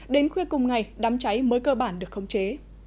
đến khuya cùng ngày đám cháy mới cơ bản được khống chế